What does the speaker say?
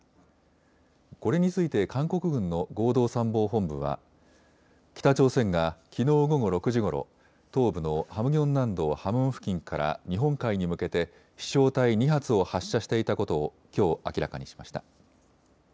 これについて韓国軍の合同参謀本部は北朝鮮が、きのう午後６時ごろ東部のハムギョン南道ハムン付近から日本海に向けて飛しょう体２発を発射していたことをきょう明らかにしました。